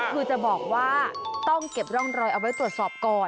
คือจะบอกว่าต้องเก็บร่องรอยเอาไว้ตรวจสอบก่อน